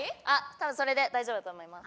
多分それで大丈夫だと思います。